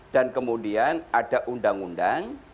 dan kemudian ada undang undang